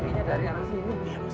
tidak pak ustaz